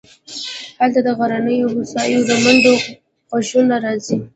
هلته د غرنیو هوسیو د منډو غږونه راځي